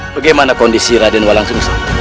bagaimana kondisi raden walang sungsa